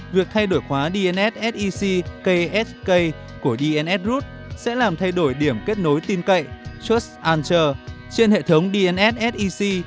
việc thay đổi khóa dnssec ksk của dns root sẽ làm thay đổi điểm kết nối tin cậy trên hệ thống dnssec